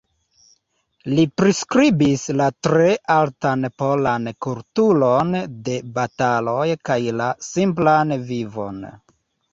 Li priskribis la tre altan polan kulturon de bataloj kaj la simplan vivon.